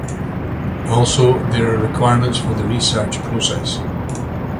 Also there are requirements for the research process.